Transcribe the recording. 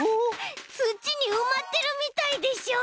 つちにうまってるみたいでしょ！